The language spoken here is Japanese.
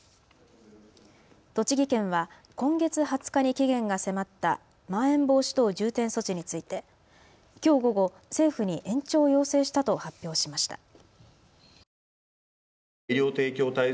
栃木県は今月２０日に期限が迫ったまん延防止等重点措置についてきょう午後、政府に延長を要請したと発表しました。